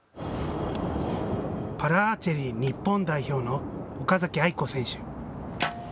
パラアーチェリー日本代表の岡崎愛子選手。